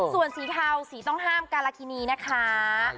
ส่วนสีเทาสีต้องห้ามการากินีนะคะ